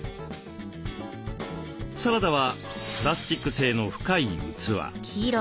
サラダはプラスチック製の深い器。